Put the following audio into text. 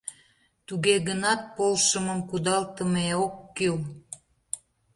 Туге гынат полшымым кудалтыме ок кӱл.